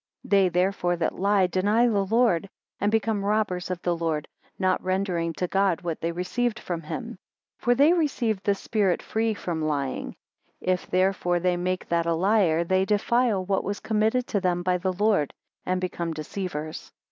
3 They therefore that lie, deny the Lord, and become robbers of the Lord, not rendering to God what they received from him. 4 For they received the spirit free from lying: If therefore they make that a liar, they defile what was committed to them by the Lord, and become deceivers.